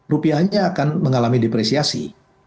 rupiahnya akan mengalami depresiasi